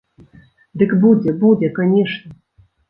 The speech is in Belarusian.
Ды будзе, будзе, канешне.